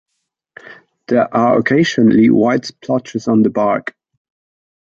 There are occasionally white splotches on the bark.